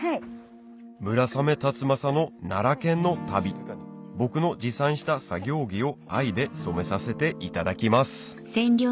村雨辰剛の奈良県の旅僕の持参した作業着を藍で染めさせていただきます